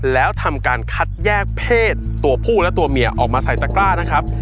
แล้วทำการคัดแยกเพศตัวผู้และตัวเมียออกมาใส่ตะกร้านะครับ